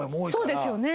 そうですよね。